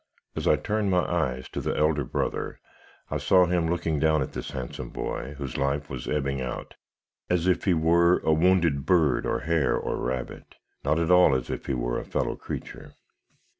As I turned my eyes to the elder brother, I saw him looking down at this handsome boy whose life was ebbing out, as if he were a wounded bird, or hare, or rabbit; not at all as if he were a fellow creature.